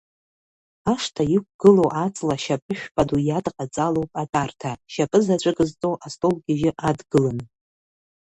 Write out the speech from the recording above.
Ашҭа иқәгылоу аҵла шьапы шәпаду иадҟаҵалоуп атәарҭа, шьапы заҵәык зҵоу астол гьежьы адгыланы.